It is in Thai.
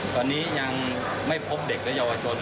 ตอนนี้ยังไม่พบเด็กและเยาวชน